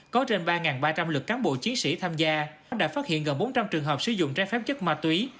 có trên ba ba trăm linh lực cán bộ chiến sĩ tham gia đã phát hiện gần bốn trăm linh trường hợp sử dụng trái phép chất ma túy